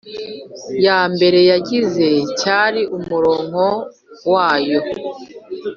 Ya mbere yagize cyari umurongo wayo